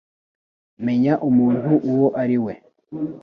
Menya umuntu uwo ari we.